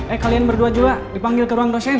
eh kalian berdua juga dipanggil ke ruang dosen